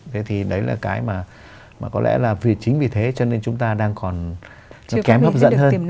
thế thì đấy là cái mà có lẽ là vì chính vì thế cho nên chúng ta đang còn kém hấp dẫn hơn